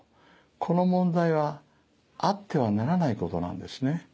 この問題はあってはならないことなんですね。